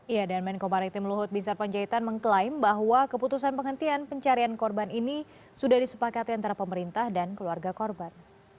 ya dan menko maritim luhut binsar panjaitan mengklaim bahwa keputusan penghentian pencarian korban ini sudah disepakati antara pemerintah dan keluarga korban